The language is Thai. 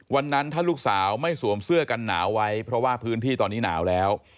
วันนั้นถ้าลูกสาวไม่สวมเสื้อกันหนาวไว้เพราะว่าพื้นที่ตอนนี้หนาวแล้ว